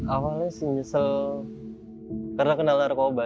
awalnya sih nyesel karena kenal narkoba